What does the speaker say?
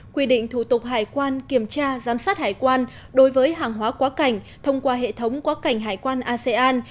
quy định thủ tục hải quan kiểm tra giám sát hải quan đối với hàng hóa quá cảnh thông qua hệ thống quá cảnh hải quan asean